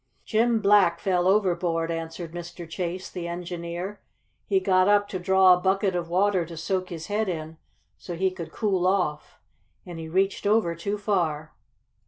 "Jim Black fell overboard," answered Mr. Chase, the engineer. "He got up to draw a bucket of water to soak his head in so he could cool off, and he reached over too far."